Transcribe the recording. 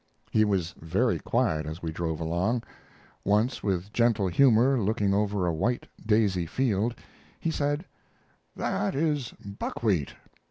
He was very quiet as we drove along. Once with gentle humor, looking over a white daisy field, he said: "That is buckwheat.